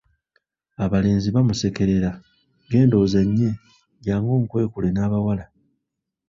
Abalenzi bamusekerera, genda ozannye, jangu onkwekule n'abawala.